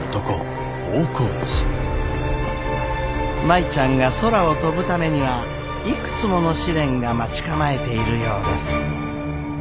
舞ちゃんが空を飛ぶためにはいくつもの試練が待ち構えているようです。